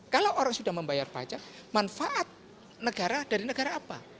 kalau orang sudah membayar pajak manfaat negara dari negara apa